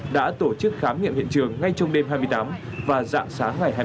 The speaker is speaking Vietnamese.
đã tổ chức khám nghiệm hiện trường ngay trong đêm hai mươi tám và dạng sáng ngày hai mươi tháng chín